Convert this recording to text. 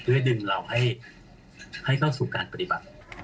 เพื่อดึงเราให้เข้าสู่การปฏิบัติ